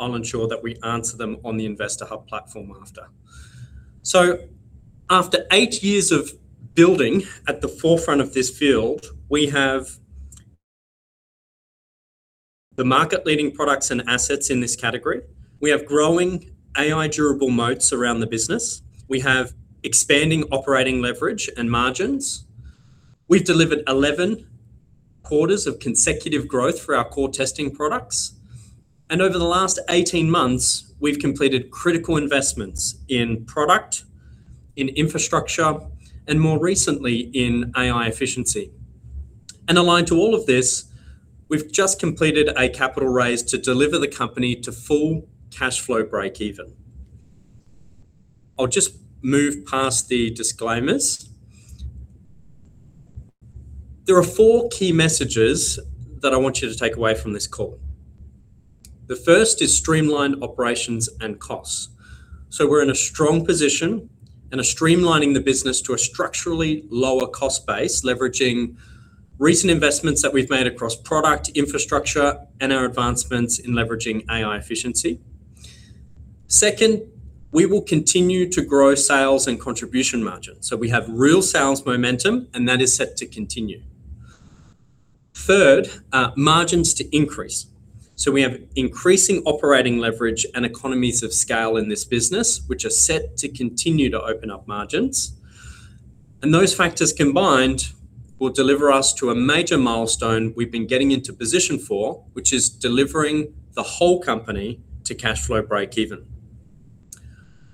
I'll ensure that we answer them on the Investor Hub platform after. After eight years of building at the forefront of this field, we have the market-leading products and assets in this category. We have growing AI-durable moats around the business. We have expanding operating leverage and margins. We've delivered 11 quarters of consecutive growth for our core testing products, and over the last 18 months, we've completed critical investments in product, in infrastructure, and more recently, in AI efficiency. Aligned to all of this, we've just completed a capital raise to deliver the company to full cash flow breakeven. I'll just move past the disclaimers. There are four key messages that I want you to take away from this call. The first is streamlined operations and costs. We're in a strong position and are streamlining the business to a structurally lower cost base, leveraging recent investments that we've made across product, infrastructure, and our advancements in leveraging AI efficiency. Second, we will continue to grow sales and contribution margins. We have real sales momentum, and that is set to continue. Third, margins to increase. We have increasing operating leverage and economies of scale in this business, which are set to continue to open up margins. Those factors combined will deliver us to a major milestone we've been getting into position for, which is delivering the whole company to cash flow breakeven.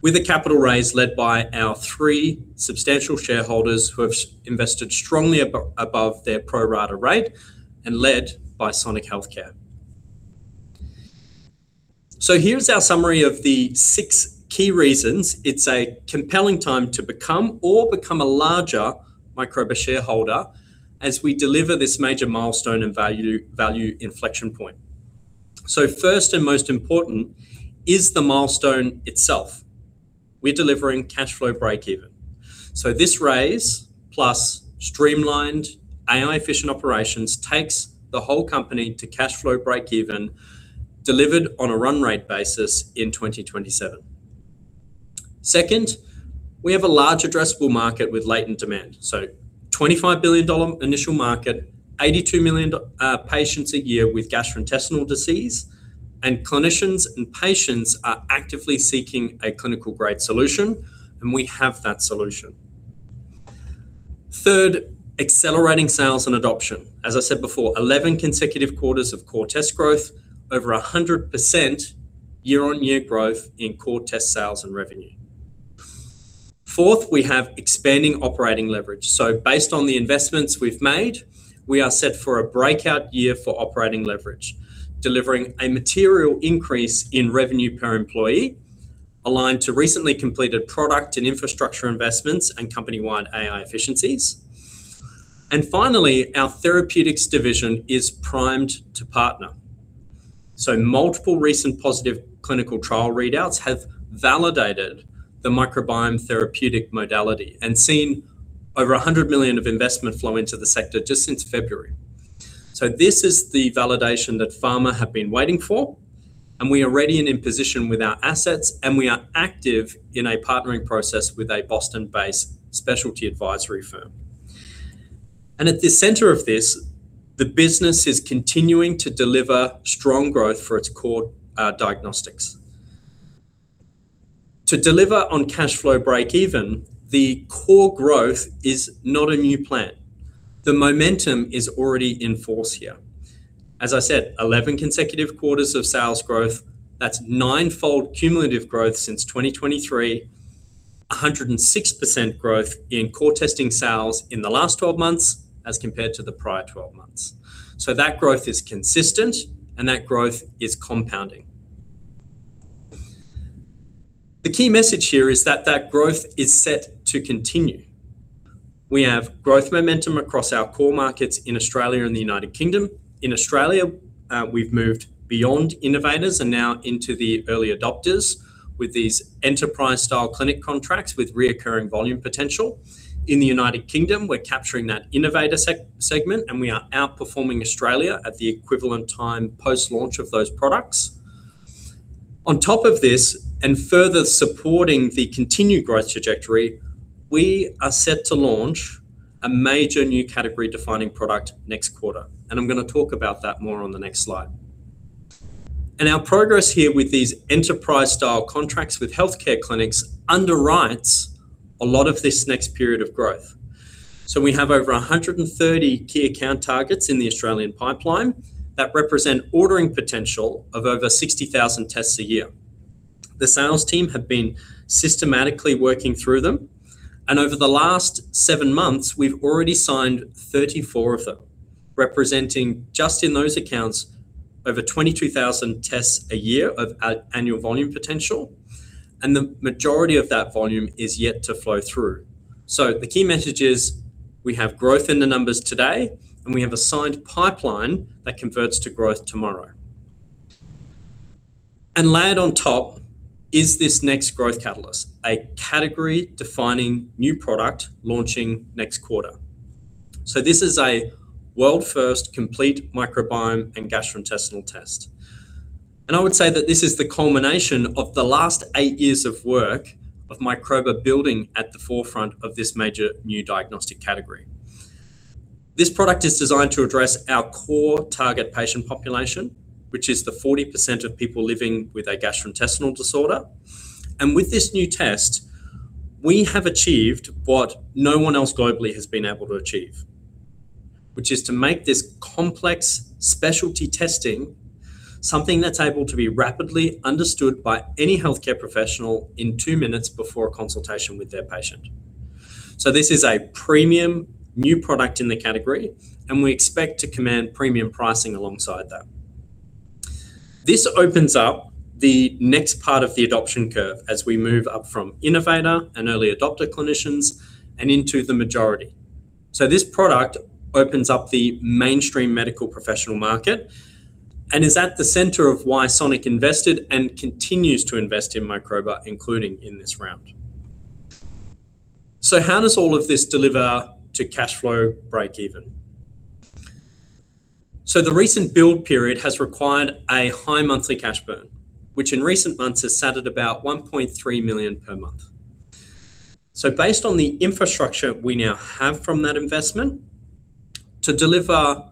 With a capital raise led by our three substantial shareholders who have invested strongly above their pro rata rate and led by Sonic Healthcare. Here's our summary of the six key reasons it's a compelling time to become or become a larger Microba shareholder as we deliver this major milestone and value inflection point. First and most important is the milestone itself. We're delivering cash flow breakeven. This raise, plus streamlined AI-efficient operations, takes the whole company to cash flow breakeven, delivered on a run rate basis in 2027. Second, we have a large addressable market with latent demand. 25 billion dollar initial market, 82 million patients a year with gastrointestinal disease, and clinicians and patients are actively seeking a clinical-grade solution, and we have that solution. Third, accelerating sales and adoption. As I said before, 11 consecutive quarters of core test growth, over 100% year-on-year growth in core test sales and revenue. Fourth, we have expanding operating leverage. Based on the investments we've made, we are set for a breakout year for operating leverage, delivering a material increase in revenue per employee aligned to recently completed product and infrastructure investments and company-wide AI efficiencies. Finally, our therapeutics division is primed to partner. Multiple recent positive clinical trial readouts have validated the microbiome therapeutic modality and seen over 100 million of investment flow into the sector just since February. This is the validation that pharma have been waiting for, and we are ready and in position with our assets, and we are active in a partnering process with a Boston-based specialty advisory firm. At the center of this, the business is continuing to deliver strong growth for its core diagnostics. To deliver on cash flow breakeven, the core growth is not a new plan. The momentum is already in force here. As I said, 11 consecutive quarters of sales growth, that's ninefold cumulative growth since 2023, 106% growth in core testing sales in the last 12 months as compared to the prior 12 months. So that growth is consistent and that growth is compounding. The key message here is that that growth is set to continue. We have growth momentum across our core markets in Australia and the United Kingdom. In Australia, we've moved beyond innovators and now into the early adopters with these enterprise-style clinic contracts with reoccurring volume potential. In the United Kingdom, we're capturing that innovator segment, and we are outperforming Australia at the equivalent time post-launch of those products. On top of this, and further supporting the continued growth trajectory, we are set to launch a major new category-defining product next quarter, and I'm going to talk about that more on the next slide. Our progress here with these enterprise-style contracts with healthcare clinics underwrites a lot of this next period of growth. We have over 130 key account targets in the Australian pipeline that represent ordering potential of over 60,000 tests a year. The sales team have been systematically working through them, and over the last seven months, we've already signed 34 of them, representing, just in those accounts, over 22,000 tests a year of annual volume potential, and the majority of that volume is yet to flow through. The key message is we have growth in the numbers today, and we have a signed pipeline that converts to growth tomorrow. Layered on top is this next growth catalyst, a category-defining new product launching next quarter. This is a world-first complete microbiome and gastrointestinal test. I would say that this is the culmination of the last eight years of work of Microba building at the forefront of this major new diagnostic category. This product is designed to address our core target patient population, which is the 40% of people living with a gastrointestinal disorder. With this new test, we have achieved what no one else globally has been able to achieve, which is to make this complex specialty testing something that's able to be rapidly understood by any healthcare professional in two minutes before a consultation with their patient. This is a premium new product in the category, and we expect to command premium pricing alongside that. This opens up the next part of the adoption curve as we move up from innovator and early adopter clinicians and into the majority. This product opens up the mainstream medical professional market and is at the center of why Sonic invested and continues to invest in Microba, including in this round. How does all of this deliver to cash flow breakeven? The recent build period has required a high monthly cash burn, which in recent months has sat at about 1.3 million per month. Based on the infrastructure we now have from that investment, to deliver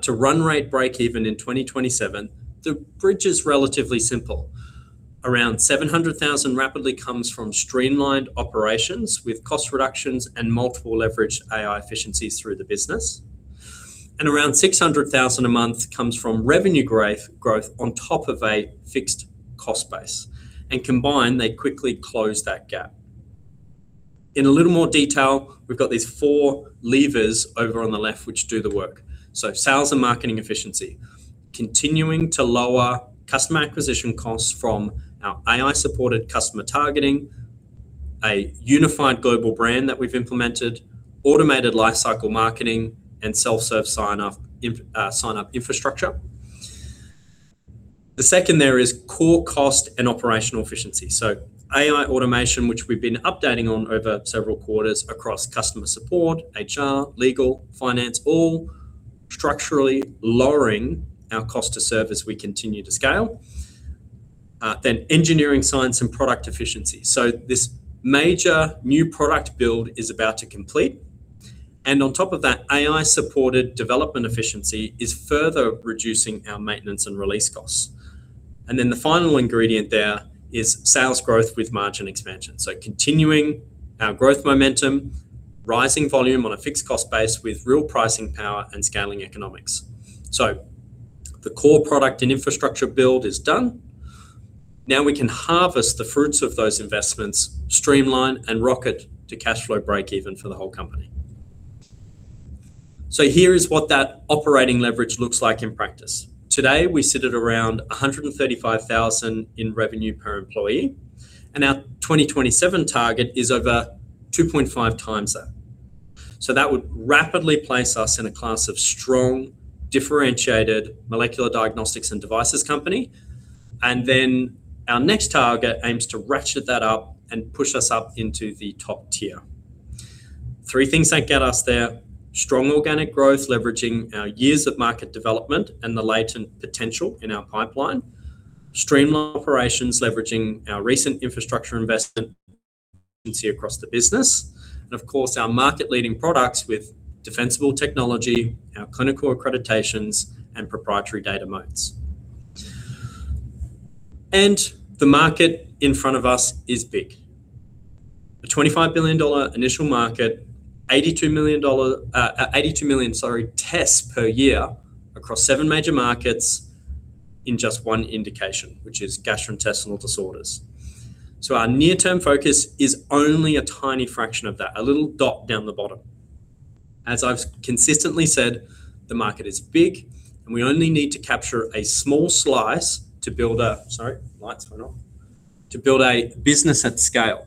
to run rate breakeven in 2027, the bridge is relatively simple. Around 700,000 rapidly comes from streamlined operations with cost reductions and multiple leverage AI efficiencies through the business, and around 600,000 a month comes from revenue growth on top of a fixed cost base. Combined, they quickly close that gap. In a little more detail, we've got these four levers over on the left which do the work. Sales and marketing efficiency, continuing to lower customer acquisition costs from our AI-supported customer targeting, a unified global brand that we've implemented, automated lifecycle marketing, and self-serve sign-up infrastructure. The second there is core cost and operational efficiency. AI automation, which we've been updating on over several quarters across customer support, HR, legal, finance, all structurally lowering our cost to serve as we continue to scale. Engineering science and product efficiency. This major new product build is about to complete, and on top of that, AI-supported development efficiency is further reducing our maintenance and release costs. The final ingredient there is sales growth with margin expansion. Continuing our growth momentum, rising volume on a fixed cost base with real pricing power and scaling economics. The core product and infrastructure build is done. Now we can harvest the fruits of those investments, streamline and rocket to cash flow breakeven for the whole company. Here is what that operating leverage looks like in practice. Today, we sit at around 135,000 in revenue per employee, and our 2027 target is over 2.5x that. That would rapidly place us in a class of strong, differentiated molecular diagnostics and devices company, and then our next target aims to ratchet that up and push us up into the top tier. Three things that get us there, strong organic growth, leveraging our years of market development and the latent potential in our pipeline. Streamlined operations, leveraging our recent infrastructure investment efficiency across the business. Of course, our market-leading products with defensible technology, our clinical accreditations, and proprietary data moats. The market in front of us is big. A 25 billion dollar initial market, 82 million tests per year across seven major markets in just one indication, which is gastrointestinal disorders. Our near-term focus is only a tiny fraction of that, a little dot down the bottom. As I've consistently said, the market is big, and we only need to capture a small slice to build a business at scale.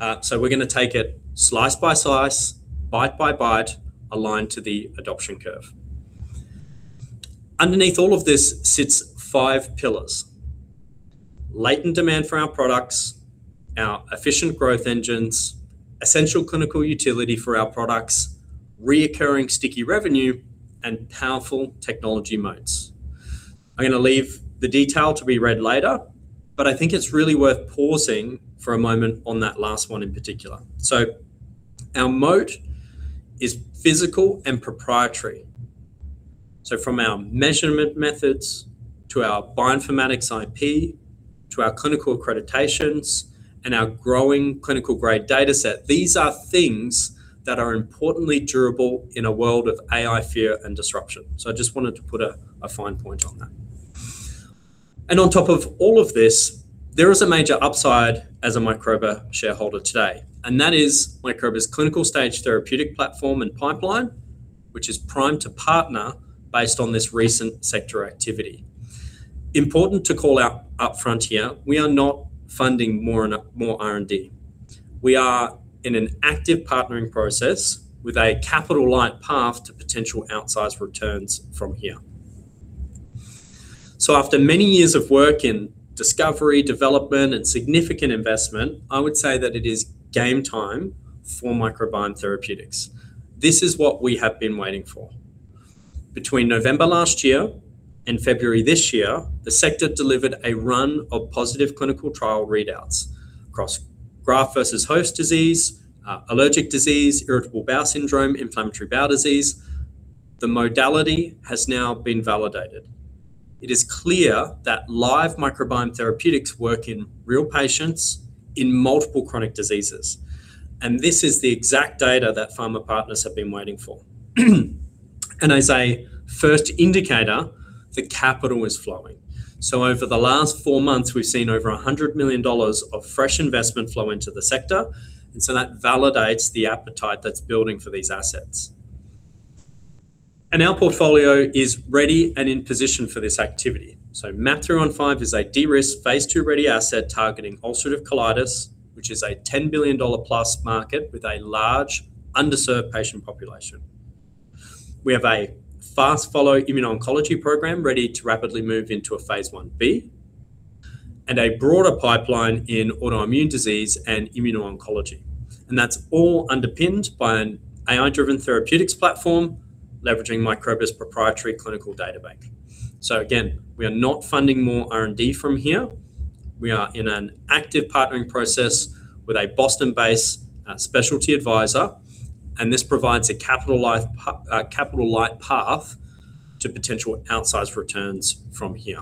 We're going to take it slice by slice, bite by bite, aligned to the adoption curve. Underneath all of this sits five pillars, latent demand for our products, our efficient growth engines, essential clinical utility for our products, reoccurring sticky revenue, and powerful technology moats. I'm going to leave the detail to be read later, but I think it's really worth pausing for a moment on that last one in particular. Our moat is physical and proprietary. From our measurement methods to our bioinformatics IP, to our clinical accreditations and our growing clinical-grade dataset, these are things that are importantly durable in a world of AI fear and disruption. I just wanted to put a fine point on that. On top of all of this, there is a major upside as a Microba shareholder today, and that is Microba's clinical-stage therapeutic platform and pipeline, which is primed to partner based on this recent sector activity. Important to call out up front here, we are not funding more R&D. We are in an active partnering process with a capital-light path to potential outsized returns from here. After many years of work in discovery, development, and significant investment, I would say that it is game time for microbiome therapeutics. This is what we have been waiting for. Between November last year and February this year, the sector delivered a run of positive clinical trial readouts across graft-versus-host disease, allergic disease, irritable bowel syndrome, inflammatory bowel disease. The modality has now been validated. It is clear that live microbiome therapeutics work in real patients in multiple chronic diseases. This is the exact data that pharma partners have been waiting for. As a first indicator, the capital is flowing. Over the last four months, we've seen over 100 million dollars of fresh investment flow into the sector, that validates the appetite that's building for these assets. Our portfolio is ready and in position for this activity. MAP 315 is a de-risked phase II-ready asset targeting ulcerative colitis, which is a 10 billion dollar plus market with a large underserved patient population. We have a fast-follow immuno-oncology program ready to rapidly move into a phase I-B, a broader pipeline in autoimmune disease and immuno-oncology. That's all underpinned by an AI-driven therapeutics platform leveraging Microba's proprietary clinical database. Again, we are not funding more R&D from here. We are in an active partnering process with a Boston-based specialty advisor, this provides a capital light path to potential outsized returns from here.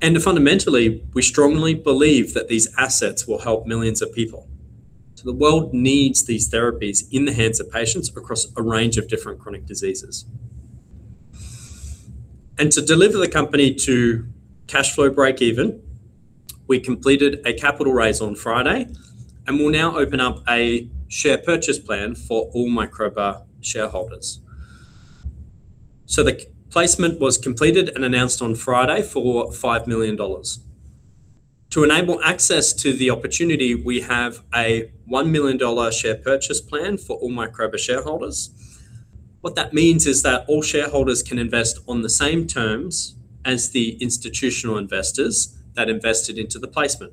Fundamentally, we strongly believe that these assets will help millions of people. The world needs these therapies in the hands of patients across a range of different chronic diseases. To deliver the company to cash flow breakeven, we completed a capital raise on Friday, will now open up a share purchase plan for all Microba shareholders. The placement was completed and announced on Friday for 5 million dollars. To enable access to the opportunity, we have a 1 million dollar share purchase plan for all Microba shareholders. What that means is that all shareholders can invest on the same terms as the institutional investors that invested into the placement,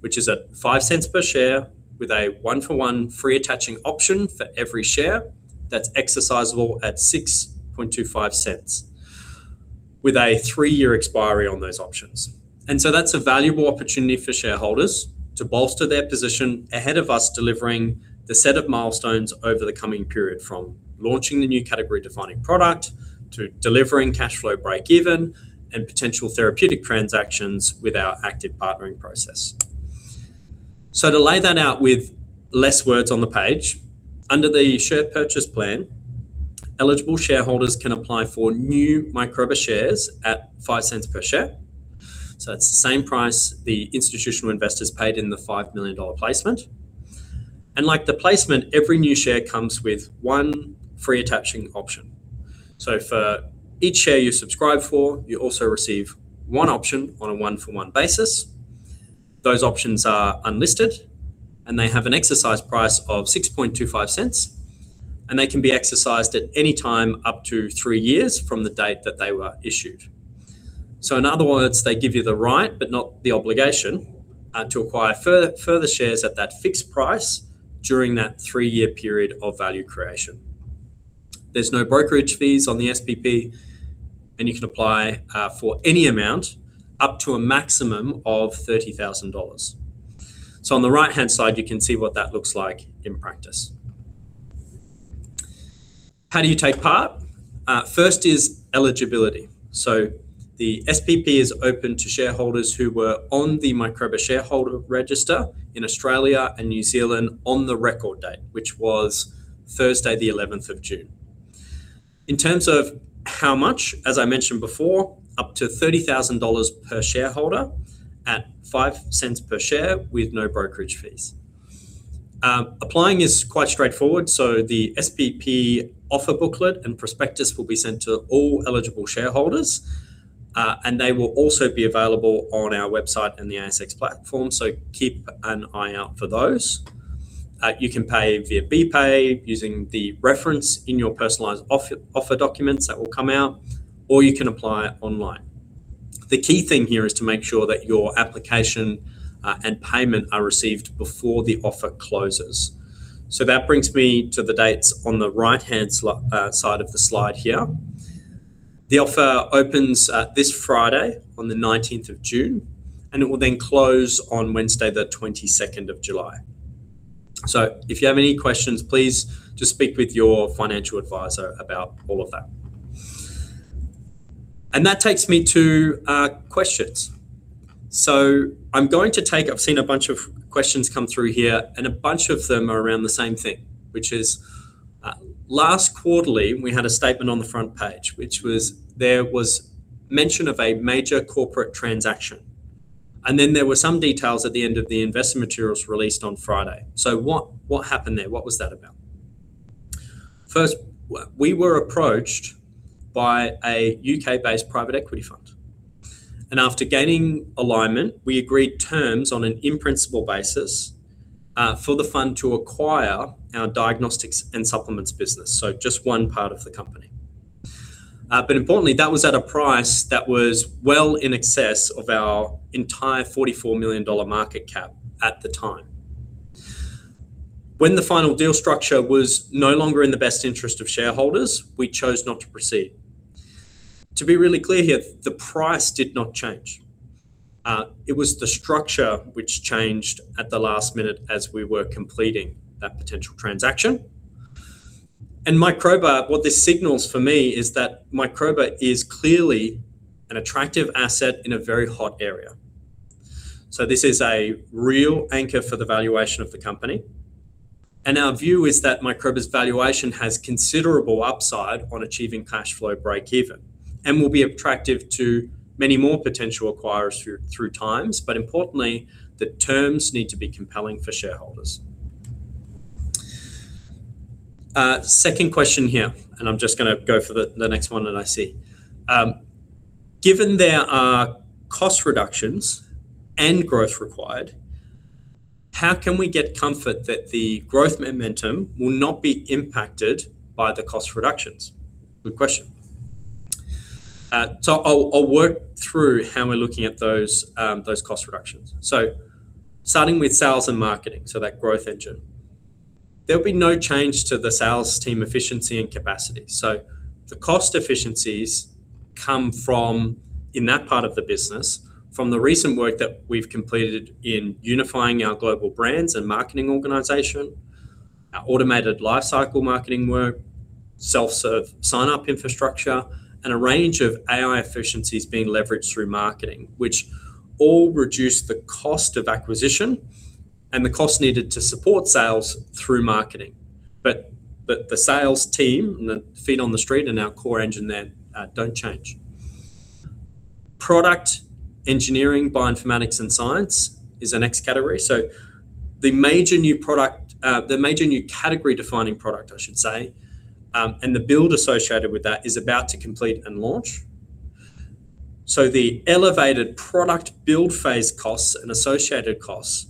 which is at 0.05 per share with a one-for-one free attaching option for every share that's exercisable at 0.0625 with a three-year expiry on those options. That's a valuable opportunity for shareholders to bolster their position ahead of us delivering the set of milestones over the coming period, from launching the new category-defining product to delivering cash flow breakeven and potential therapeutic transactions with our active partnering process. To lay that out with less words on the page, under the share purchase plan, eligible shareholders can apply for new Microba shares at 0.05 per share. That's the same price the institutional investors paid in the 5 million dollar placement. Like the placement, every new share comes with one free attaching option. For each share you subscribe for, you also receive one option on a one-for-one basis. Those options are unlisted, they have an exercise price of 0.0625, they can be exercised at any time up to three years from the date that they were issued. In other words, they give you the right, but not the obligation, to acquire further shares at that fixed price during that three-year period of value creation. There's no brokerage fees on the SPP. You can apply for any amount up to a maximum of 30,000 dollars. On the right-hand side, you can see what that looks like in practice. How do you take part? First is eligibility. The SPP is open to shareholders who were on the Microba shareholder register in Australia and New Zealand on the record date, which was Thursday, the 11th of June. In terms of how much, as I mentioned before, up to 30,000 dollars per shareholder at 0.05 per share with no brokerage fees. Applying is quite straightforward. The SPP offer booklet and prospectus will be sent to all eligible shareholders, and they will also be available on our website and the ASX platform. Keep an eye out for those. You can pay via BPAY using the reference in your personalized offer documents that will come out, or you can apply online. The key thing here is to make sure that your application and payment are received before the offer closes. That brings me to the dates on the right-hand side of the slide here. The offer opens this Friday on the 19th of June, and it will then close on Wednesday the 22nd of July. If you have any questions, please just speak with your financial advisor about all of that. That takes me to questions. I have seen a bunch of questions come through here, and a bunch of them are around the same thing, which is last quarterly, we had a statement on the front page, which was there was mention of a major corporate transaction, and then there were some details at the end of the investor materials released on Friday. What happened there? What was that about? First, we were approached by a U.K.-based private equity fund. After gaining alignment, we agreed terms on an in-principle basis for the fund to acquire our diagnostics and supplements business, so just one part of the company. Importantly, that was at a price that was well in excess of our entire 44 million dollar market cap at the time. When the final deal structure was no longer in the best interest of shareholders, we chose not to proceed. To be really clear here, the price did not change. It was the structure which changed at the last minute as we were completing that potential transaction. Microba, what this signals for me is that Microba is clearly an attractive asset in a very hot area. This is a real anchor for the valuation of the company, and our view is that Microba's valuation has considerable upside on achieving cash flow breakeven, and will be attractive to many more potential acquirers through times. Importantly, the terms need to be compelling for shareholders. Second question here, I am just going to go for the next one that I see. Given there are cost reductions and growth required, how can we get comfort that the growth momentum will not be impacted by the cost reductions? Good question. I will work through how we are looking at those cost reductions. Starting with sales and marketing, that growth engine. There will be no change to the sales team efficiency and capacity. The cost efficiencies come from, in that part of the business, from the recent work that we have completed in unifying our global brands and marketing organization, our automated lifecycle marketing work, self-serve sign-up infrastructure, and a range of AI efficiencies being leveraged through marketing. Which all reduce the cost of acquisition and the cost needed to support sales through marketing. The sales team, the feet on the street and our core engine there, don't change. Product engineering, bioinformatics, and science is the next category. The major new category-defining product I should say, and the build associated with that, is about to complete and launch. The elevated product build phase costs and associated costs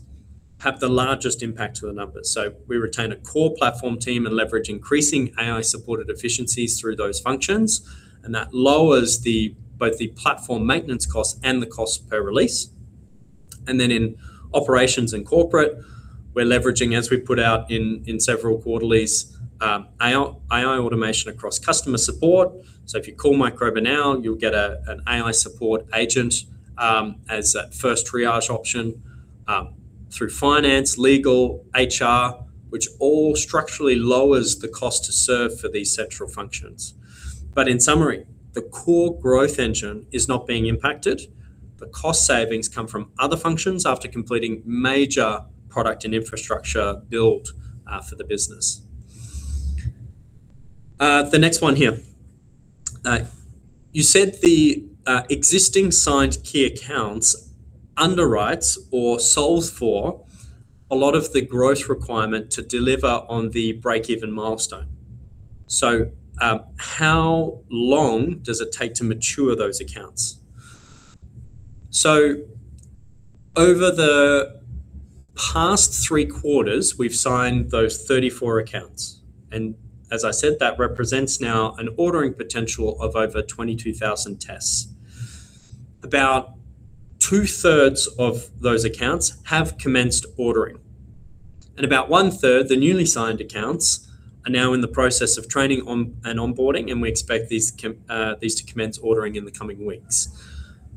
have the largest impact to the numbers. We retain a core platform team and leverage increasing AI-supported efficiencies through those functions, and that lowers both the platform maintenance cost and the cost per release. In operations and corporate, we're leveraging, as we put out in several quarterlies, AI automation across customer support. If you call Microba now, you'll get an AI support agent as that first triage option. Through finance, legal, HR, which all structurally lowers the cost to serve for these central functions. In summary, the core growth engine is not being impacted. The cost savings come from other functions after completing major product and infrastructure build for the business. The next one here. You said the existing signed key accounts underwrites or solves for a lot of the growth requirement to deliver on the breakeven milestone. How long does it take to mature those accounts? Over the past three quarters, we've signed those 34 accounts, and as I said, that represents now an ordering potential of over 22,000 tests. About two-thirds of those accounts have commenced ordering, and about one-third, the newly signed accounts, are now in the process of training and onboarding, and we expect these to commence ordering in the coming weeks.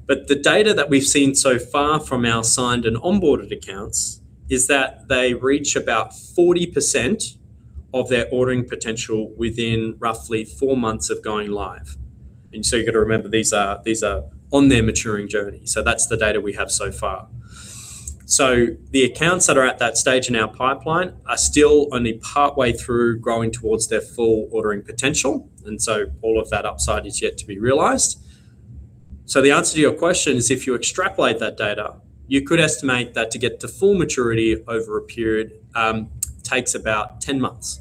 The data that we've seen so far from our signed and onboarded accounts is that they reach about 40% of their ordering potential within roughly four months of going live. You got to remember, these are on their maturing journey. That's the data we have so far. The accounts that are at that stage in our pipeline are still only partway through growing towards their full ordering potential, and all of that upside is yet to be realized. The answer to your question is, if you extrapolate that data, you could estimate that to get to full maturity over a period takes about 10 months.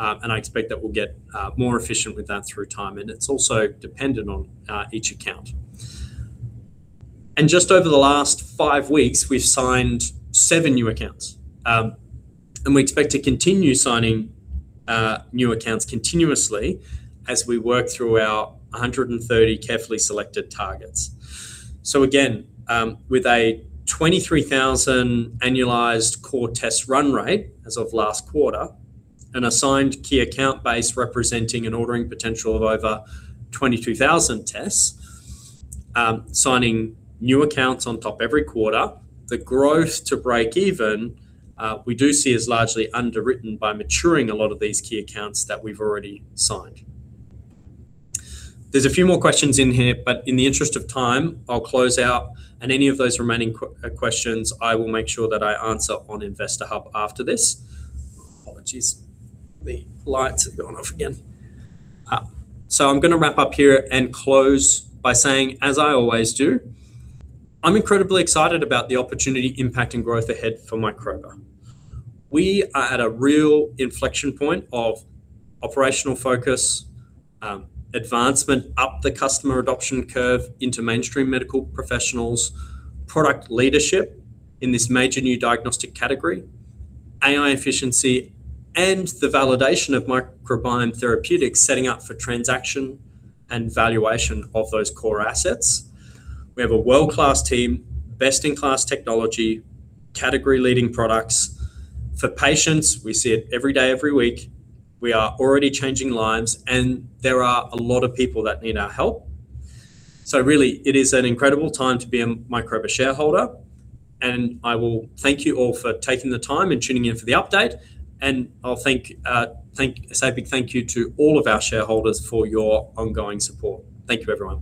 I expect that we'll get more efficient with that through time, and it's also dependent on each account. Just over the last five weeks, we've signed seven new accounts, and we expect to continue signing new accounts continuously as we work through our 130 carefully selected targets. Again, with a 23,000 annualized core test run rate as of last quarter, and a signed key account base representing an ordering potential of over 22,000 tests, signing new accounts on top every quarter, the growth to breakeven we do see as largely underwritten by maturing a lot of these key accounts that we've already signed. There's a few more questions in here, but in the interest of time, I'll close out, and any of those remaining questions I will make sure that I answer on Investor Hub after this. Apologies. The lights have gone off again. I'm going to wrap up here and close by saying, as I always do, I'm incredibly excited about the opportunity impact and growth ahead for Microba. We are at a real inflection point of operational focus, advancement up the customer adoption curve into mainstream medical professionals, product leadership in this major new diagnostic category, AI efficiency, and the validation of microbiome therapeutics setting up for transaction and valuation of those core assets. We have a world-class team, best-in-class technology, category-leading products. For patients, we see it every day, every week, we are already changing lives, and there are a lot of people that need our help. Really, it is an incredible time to be a Microba shareholder, and I will thank you all for taking the time and tuning in for the update, and I'll say a big thank you to all of our shareholders for your ongoing support. Thank you, everyone.